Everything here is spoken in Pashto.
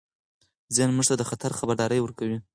ذهن موږ ته د خطر خبرداری ورکوي.